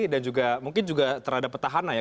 dan juga mungkin juga terhadap petahana ya